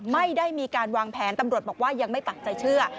ไม่ได้มีการวางแผนตำรวจบอกว่ายังไม่ปักใจเชื่อ